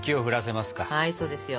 はいそうですよ。